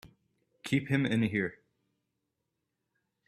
Keep him in here!